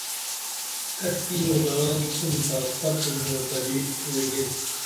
کتِکی نوکران تُھونتا سپُن نوکری وعی گین